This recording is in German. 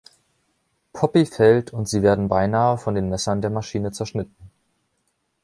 Poppy fällt und sie werden beinahe von den Messern der Maschine zerschnitten.